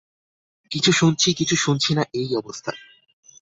কিছু শুনছি, কিছু শুনছি না এই অবস্থা।